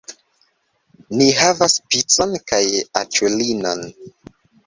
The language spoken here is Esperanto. Ni havas picon kaj aĉulinon